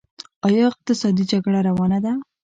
آیا اقتصادي جګړه روانه ده؟